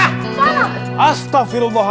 aku atau tidak armah